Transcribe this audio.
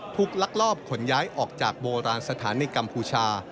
ลักลอบขนย้ายออกจากโบราณสถานในกัมพูชา